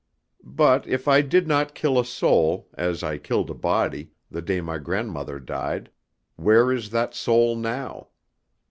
But if I did not kill a soul, as I killed a body, the day my grandmother died, where is that soul now?